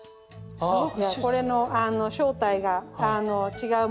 じゃあこれの正体が違う